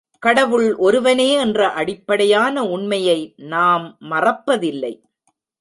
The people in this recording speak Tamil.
கடவுள் ஒருவனே என்ற அடிப்படையான உண்மையை நாம் மறப்பதில்லை.